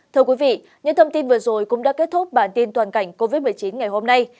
thưa quý vị những thông tin vừa rồi cũng đã kết thúc bản tin toàn cảnh covid một mươi chín ngày hôm nay